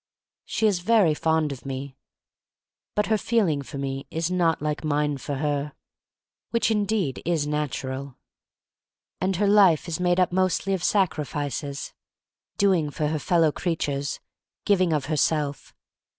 She is very fond of me, but her feeling for me is not like mine for her, which indeed is natural. And her life is made up mostly of sacri fices — doing for her fellow creatures, giving of herself.